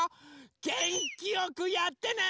げんきよくやってね！